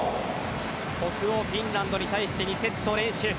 北欧・フィンランドに対して２セット連取。